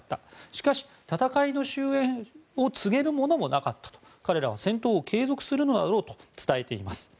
しかし、戦いの終えんを告げるものもなかった彼らは戦争を継続するのだろうと伝えています。